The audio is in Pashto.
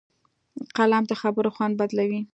قلم د خبرو خوند بدلوي